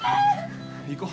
行こう。